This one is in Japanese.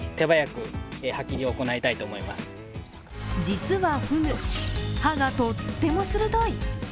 実はフグ、歯がとっても鋭い。